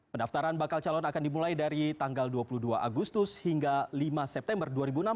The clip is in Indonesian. pendaftaran bakal calon akan dimulai dari tanggal dua puluh dua agustus hingga lima september dua ribu enam belas